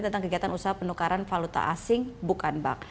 tentang kegiatan usaha penukaran valuta asing bukan bank